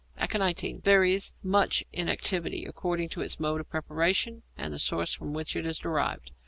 =Aconitine= varies much in activity according to its mode of preparation and the source from which it is derived.